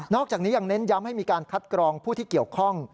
อกจากนี้ยังเน้นย้ำให้มีการคัดกรองผู้ที่เกี่ยวข้อง